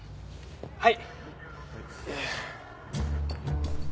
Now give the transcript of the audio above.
はい。